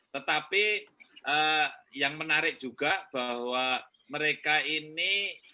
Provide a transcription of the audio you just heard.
tetapi yang menarik juga bahwa mereka ini